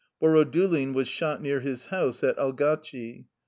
Borodulin was shot near his house at Algatchi.